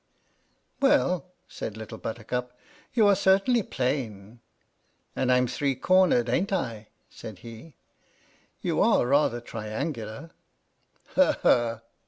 " Well," said little Buttercup, "you are certainly plain." "And I'm three cornered, ain't I?" said he. "You are rather triangular." "Ha! ha!"